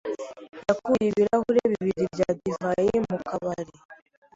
yakuye ibirahuri bibiri bya divayi mu kabari.